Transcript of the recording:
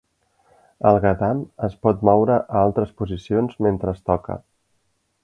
El ghatam es pot moure a altres posicions mentre es toca.